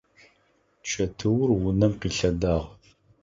Чэтыур унэм къилъэдагъ.